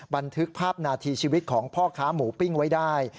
บันทึกภาพนาทีชีวิตของพ่อค้าหมูปิ้งไว้ได้